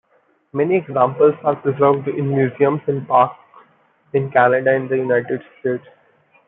Many examples are preserved in museums and parks in Canada and the United States.